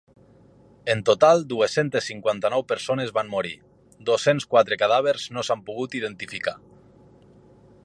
En total dues-centes cinquanta-nou persones van morir, dos-cents quatre cadàvers no s’han pogut identificar.